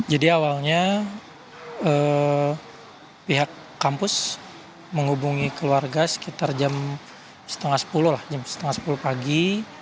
jadi awalnya pihak kampus menghubungi keluarga sekitar jam setengah sepuluh pagi